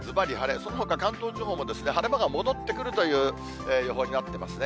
そのほか関東地方も晴れ間が戻ってくるという予報になってますね。